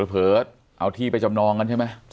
เผลอเอาที่ไปจำนองกันใช่ไหม